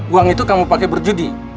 uang itu kamu pakai berjudi